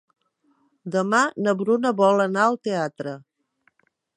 Demà na Bruna vol anar al teatre.